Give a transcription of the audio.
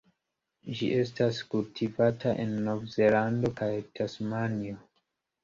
Ĝi estas kultivata en Novzelando kaj Tasmanio.